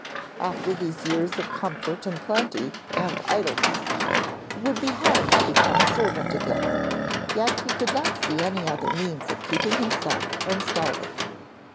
After these years of comfort and plenty and idleness it would be hard to become a servant again, yet he could not see any other means of keeping himself from starving.